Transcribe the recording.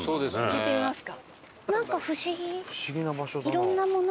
聞いてみますか。